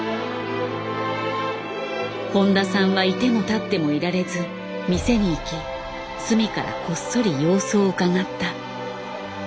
誉田さんは居ても立ってもいられず店に行き隅からこっそり様子をうかがった。